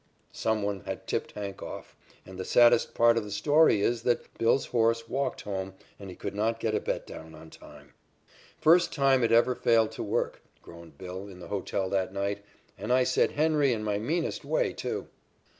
Some one had tipped "Hank" off. And the saddest part of the story is that "Bill's" horse walked home, and he could not get a bet down on him. "First time it ever failed to work," groaned "Bill" in the hotel that night, "and I said 'Henry' in my meanest way, too."